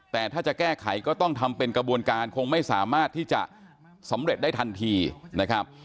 แต่ถ้าจะแก้ไขก็ต้องทำเป็นกระบวนการคงไม่สามารถที่จะสำเร็จได้ทันทีนะครับ